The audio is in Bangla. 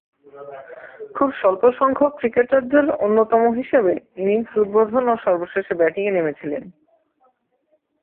খুব স্বল্পসংখ্যক ক্রিকেটারদের অন্যতম হিসেবে ইনিংস উদ্বোধন ও সর্বশেষে ব্যাটিংয়ে নেমেছিলেন।